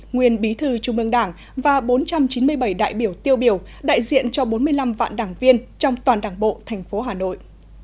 nguyên bí thư trung ương đảng và bốn trăm chín mươi bảy đại biểu tiêu biểu đại diện cho bốn mươi năm vạn đảng viên trong toàn đảng bộ tp hà nội